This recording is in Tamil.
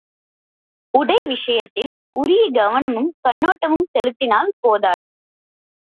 உடை விஷயத்தில் உரிய கவனமும் கண்ணோட்டமும் செலுத்தினால் போதாது.